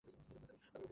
মহিলাটাকে মেরে ফেলেছি!